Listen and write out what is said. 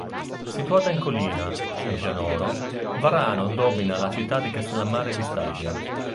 Situata in collina, su un pianoro, Varano domina la città di Castellammare di Stabia.